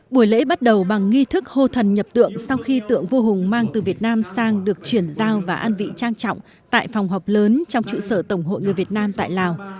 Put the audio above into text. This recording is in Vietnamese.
buổi lễ bắt đầu bằng nghi thức hô thần nhập tượng sau khi tượng vua hùng mang từ việt nam sang được chuyển giao và ăn vị trang trọng tại phòng họp lớn trong trụ sở tổng hội người việt nam tại lào